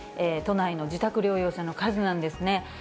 都内の自宅療養者の数なんですね。